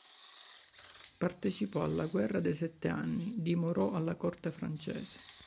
Partecipò alla guerra dei sette anni, dimorò alla corte francese.